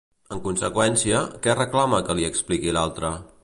En conseqüència, què reclama que li expliqui l'altre?